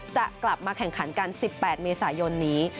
จะกลับมาแข่งขันกัน๑๘เมษายนนี้